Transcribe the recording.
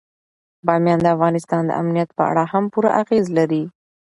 بامیان د افغانستان د امنیت په اړه هم پوره اغېز لري.